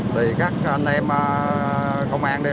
thì các anh em công an đây